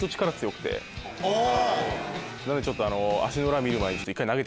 なのでちょっと。